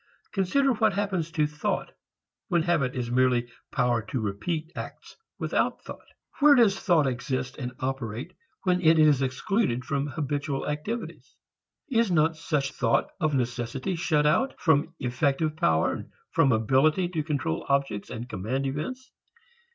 Consider what happens to thought when habit is merely power to repeat acts without thought. Where does thought exist and operate when it is excluded from habitual activities? Is not such thought of necessity shut out from effective power, from ability to control objects and command events?